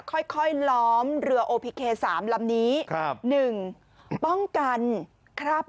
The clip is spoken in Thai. ค่อยค่อยล้อมเรือโอพิเคสามลำนี้ครับหนึ่งป้องกันคราบ